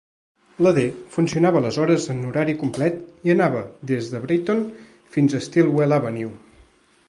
La D funcionava aleshores en horari complet i anava des de Brighton fins a Stillwell Avenue.